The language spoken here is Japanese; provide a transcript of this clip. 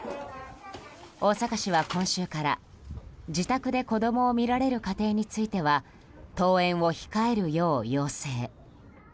大阪市は今週から、自宅で子供を見られる家庭については登園を控えるよう要請。